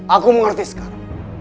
aku mengerti sekarang